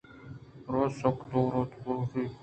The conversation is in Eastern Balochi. راہ سک دُور اَتیکے ءَ گوٛشت